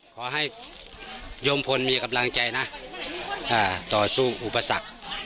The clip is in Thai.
ขอให้โยมพลมีกำลังใจนะต่อสู้อุปสรรค